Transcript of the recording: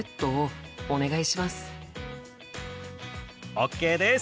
ＯＫです！